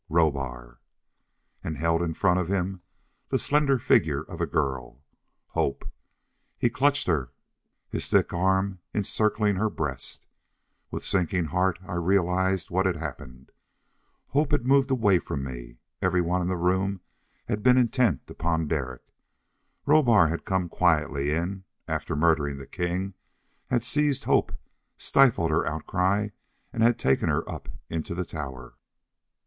Rohbar! And held in front of him the slender figure of a girl. Hope! He clutched her, his thick arm encircling her breast. With sinking heart I realized what had happened. Hope had moved away from me. Every one in the room had been intent upon Derek. Rohbar had come quietly in, after murdering the king, had seized Hope, stifled her outcry, and had taken her up into the tower.